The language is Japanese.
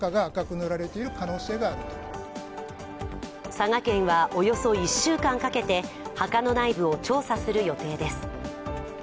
佐賀県はおよそ１週間かけて墓の内部を調査する予定です。